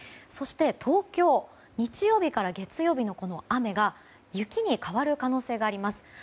そして、東京日曜日から月曜日の雨が雪に変わる可能性があります。